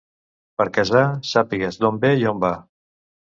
Per casar, sàpigues d'on ve i on va.